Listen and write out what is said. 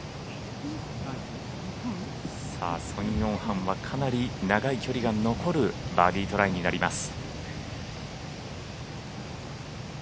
ソン・ヨンハンはかなり長い距離が残るバーディートライになります。